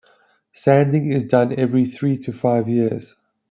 Sanding is done every three to five years.